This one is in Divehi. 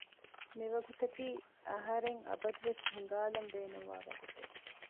މިވަގުތަކީ އަހަރެން އަބަދުވެސް ހިނގާލަން ބޭނުންވާ ވަގުތެއް